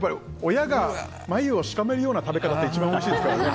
親が眉をしかめるような食べ方が一番おいしいですからね。